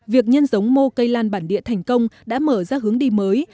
việc nhân giống mô cây lan bản địa thành công đã mở ra hướng đi mới